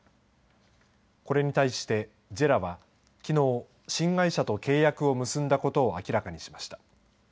これに対してＪＥＲＡはきのう新会社と契約を結んだことを明らかにしました。